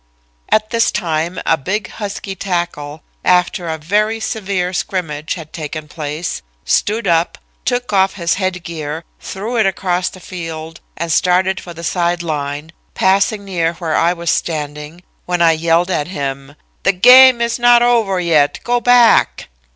"At this time, a big husky tackle, after a very severe scrimmage had taken place, stood up, took off his head gear, threw it across the field and started for the side line, passing near where I was standing, when I yelled at him: "'The game is not over yet. Go back.'